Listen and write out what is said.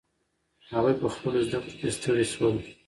هغوی په خپلو زده کړو کې ستړي سول.